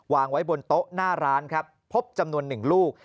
วางไว้บนโต๊ะหน้าร้านครับพบจำนวน๑ลูก